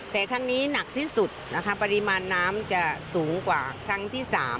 แต่ครั้งนี้หนักที่สุดนะคะปริมาณน้ำจะสูงกว่าครั้งที่๓